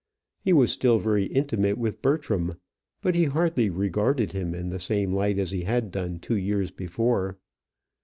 He was still very intimate with Bertram, but he hardly regarded him in the same light as he had done two years before.